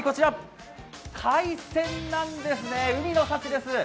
海鮮なんですね、海の幸です。